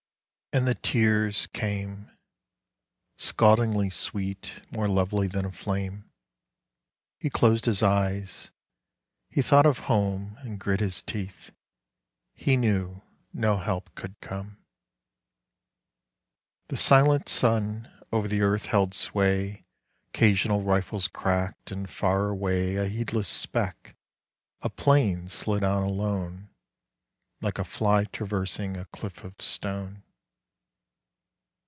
And the tears came Scaldingly sweet, more lovely than a flame. He closed his eyes: he thought of home And grit his teeth. He knew no help could come.... The silent sun over the earth held sway, Occasional rifles cracked and far away A heedless speck, a 'plane, slid on alone, Like a fly traversing a cliff of stone.